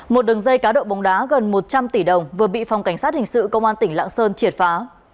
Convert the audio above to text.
một đường dây cá độ bóng đá gần một trăm linh tỷ đồng vừa bị phòng cảnh sát hình sự công an tỉnh lạng sơn triệt phá